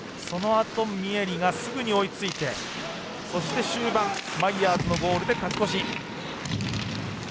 そのあと、ミエリがすぐに追いついてそして、終盤マイヤーズのゴールで勝ち越し。